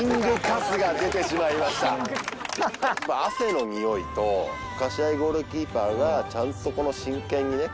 汗のニオイとかしわぎゴールキーパーがちゃんと真剣にね